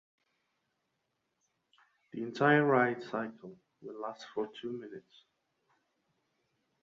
The entire ride cycle will last for two minutes.